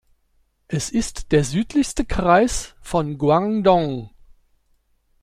Es ist der südlichste Kreis von Guangdong.